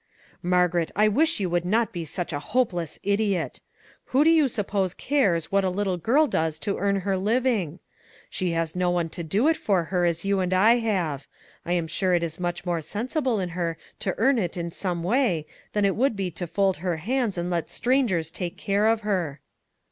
" Margaret, I wish you would not be such a hopeless idiot! Who do you suppose cares what a little girl does to earn her living? She has no one to do it for her as you and I have; 203 MAG AND MARGARET I am sure it is much more sensible in her to earn it in some way than it would be to fold her hands and let strangers take care of her."